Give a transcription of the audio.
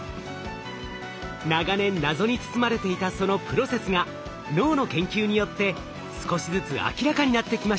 長年謎に包まれていたそのプロセスが脳の研究によって少しずつ明らかになってきました。